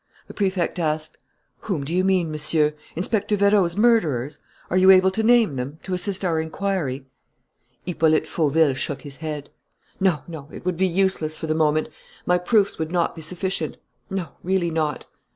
The Prefect asked: "Whom do you mean, Monsieur? Inspector Vérot's murderers? Are you able to name them, to assist our inquiry?" Hippolyte Fauville shook his head. "No, no, it would be useless, for the moment.... My proofs would not be sufficient.... No, really not."